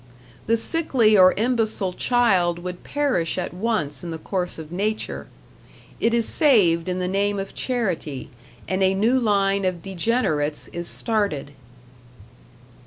The sickly or imbecile child would perish at once in the course of Nature; it is saved in the name of charity, and a new line of degenerates is started.